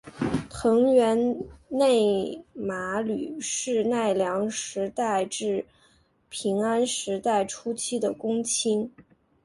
藤原内麻吕是奈良时代至平安时代初期的公卿。